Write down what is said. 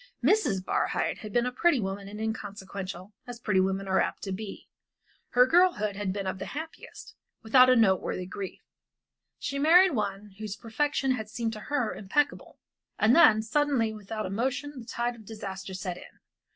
Mrs. Barhyte had been a pretty woman and inconsequential, as pretty woman are apt to be. Her girlhood had been of the happiest, without a noteworthy grief. She married one whose perfection had seemed to her impeccable, and then suddenly without a monition the tide of disaster set in.